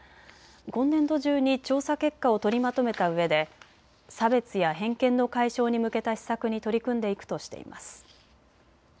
今年度中に調査結果を取りまとめたうえで差別や偏見の解消に向けた施策に取り組んでいくとしています。